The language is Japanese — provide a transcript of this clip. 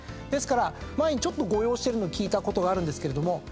ですから前に誤用してるの聞いたことがあるんですけれども。